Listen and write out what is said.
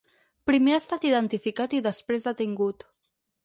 Primer ha estat identificat i després detingut.